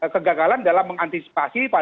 kegagalan dalam mengantisipasi